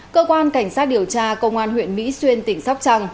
cơ quan cảnh sát điều tra công an huyện mỹ xuyên tỉnh sóc trăng